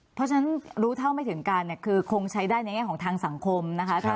เพราะฉะนั้นรู้เท่าไม่ถึงการเนี่ยคือคงใช้ได้ในแง่ของทางสังคมนะคะ